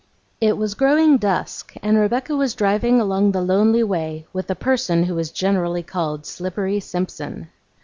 It was growing dusk and Rebecca was driving along the lonely way with a person who was generally called Slippery Simpson.